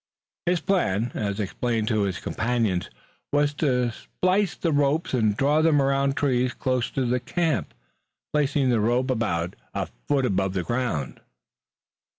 His plan, as explained to his companions, was to splice their ropes and draw them around trees close to the camp, placing the rope about a foot above the ground.